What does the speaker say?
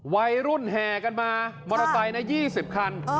ไวรุ่นแห่กันมามรตัยในยี่สิบคันเออ